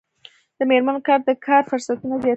د میرمنو کار د کار فرصتونه زیاتوي.